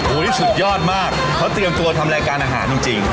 สุดยอดมากเขาเตรียมตัวทำรายการอาหารจริง